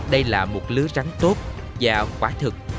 đây là một lứa rắn tốt và quả thực